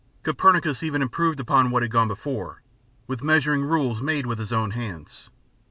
Copernicus even improved upon what had gone before, with measuring rules made with his own hands.